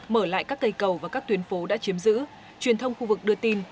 mở lại các cây cầu và các tuyến phố đã chiếm giữ truyền thông khu vực đưa tin